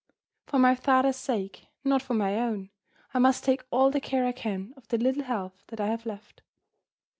For my father's sake not for my own I must take all the care I can of the little health that I have left.